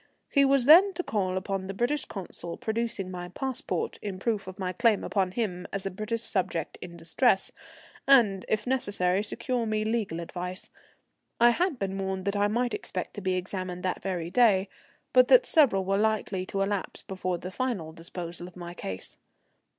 He was then to call upon the British Consul, producing my passport in proof of my claim upon him as a British subject in distress, and if necessary secure me legal advice. I had been warned that I might expect to be examined that very day, but that several were likely to elapse before the final disposal of my case.